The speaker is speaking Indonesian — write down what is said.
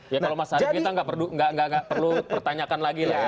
ya kalau mas arief kita nggak perlu pertanyakan lagi lah